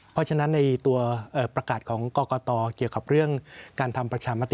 เพราะฉะนั้นในตัวประกาศของกรกตเกี่ยวกับเรื่องการทำประชามติ